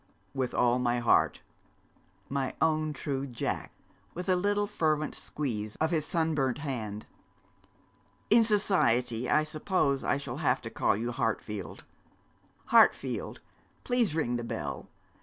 'With all my heart.' 'My own true Jack,' with a little fervent squeeze of his sunburnt hand. 'In society I suppose I shall have to call you Hartfield. "Hartfield, please ring the bell."